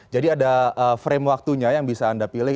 jadi ada frame waktunya yang bisa anda pilih